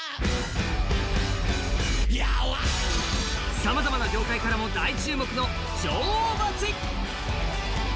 さまざまな業界からも大注目の女王蜂。